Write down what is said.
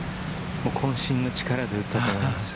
こん身の力で打ったと思います。